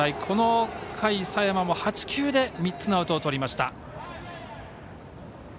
この回、佐山も８球で３つのアウトをとりました。